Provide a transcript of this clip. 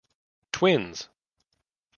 Twins!